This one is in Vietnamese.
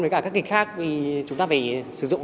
với các kịch khác vì chúng ta phải sử dụng